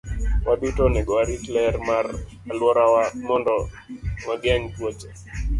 Waduto onego warit ler mar alworawa mondo wageng' tuoche.